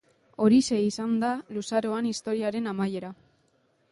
Horixe izan da luzaroan historiaren amaiera.